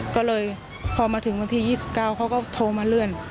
ก็เลยพอมาถึงวันที่๒๙เขาก็โทรมาเลื่อน